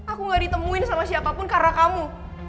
aku gak ditemuin sama siapapun karena kamu